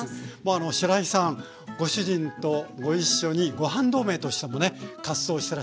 しらいさんご主人とご一緒に「ごはん同盟」としてもね活動してらっしゃって。